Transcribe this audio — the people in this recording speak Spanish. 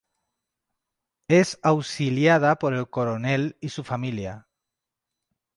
Es auxiliada por el coronel y su familia.